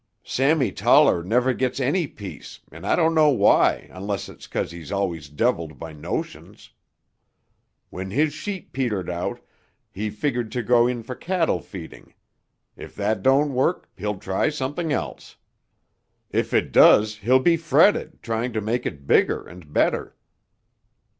Sammy Toller never gets any peace and I don't know why unless it's 'cause he's always deviled by notions. When his sheep petered out, he figured to go in for cattle feeding. If that don't work, he'll try something else. If it does, he'll be fretted trying to make it bigger and better.